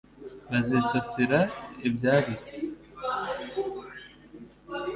Bazisasira ibyarire,